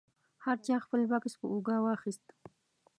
هر چا خپل بکس په اوږه واخیست.